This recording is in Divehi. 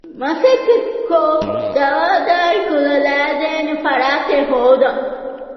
މަސައްކަތްކޮށް ދަވާދާއި ކުލަ ލައިދޭނެ ފަރާތެއް ހޯދަން